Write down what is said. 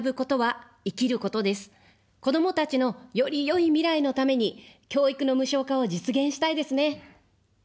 子どもたちのよりよい未来のために、教育の無償化を実現したいですね。